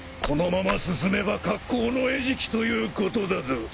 このまま進めば格好の餌食ということだど。